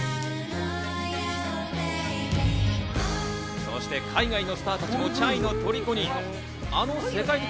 そして海外のスターたちもＣＨＡＩのとりこに。